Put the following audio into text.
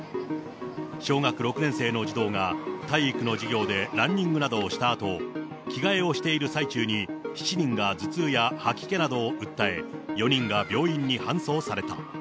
小学６年生の児童が体育の授業でランニングなどをしたあと、着替えをしている最中に７人が頭痛や吐き気などを訴え、４人が病院に搬送された。